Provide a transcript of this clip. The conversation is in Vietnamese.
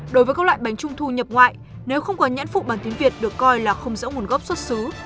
đối với các loại bánh trung thu nhập ngoại nếu không có nhãn phụ bằng tiếng việt được coi là không rõ nguồn gốc xuất xứ